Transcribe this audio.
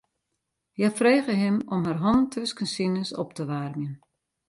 Hja frege him om har hannen tusken sines op te waarmjen.